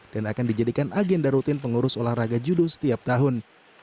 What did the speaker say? dan akan dijadikan agenda rutin pengurus olahraga judo setiap tahun